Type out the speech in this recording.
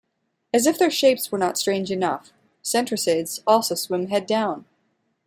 As if their shapes were not strange enough, centriscids also swim head down.